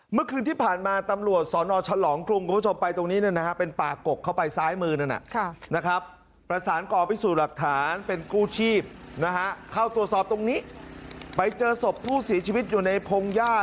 เมื่อคืนที่ผ่านมาตำรวจสอนอชะหลองกรุงคุณผู้ชมไปตรงนี้เนี้ยนะฮะ